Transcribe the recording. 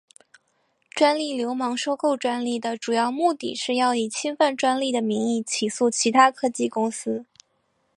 专利流氓收购专利的主要目的是要以侵犯专利的名义起诉其他科技公司。